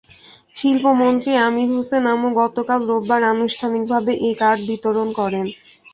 শিল্পমন্ত্রী আমির হোসেন আমু গতকাল রোববার আনুষ্ঠানিকভাবে এ কার্ড বিতরণ করেন।